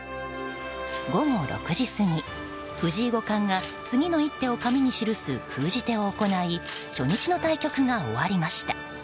午後６時過ぎ、藤井五冠が次の一手を紙に記す封じ手を行い初日の対局が終わりました。